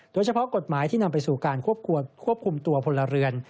โดยเฉพาะกฎหมายที่นำไปสู่การควบคุมตัวพลเรือน